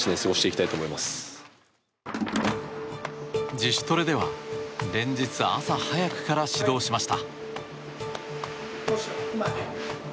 自主トレでは連日、朝早くから始動しました。